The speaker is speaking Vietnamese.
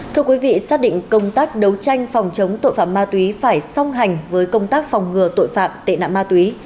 thưa quý vị xác định công tác đấu tranh phòng chống tội phạm ma túy phải song hành với công tác phòng ngừa tội phạm tệ nạn ma túy